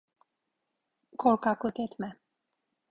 Korkaklık etme.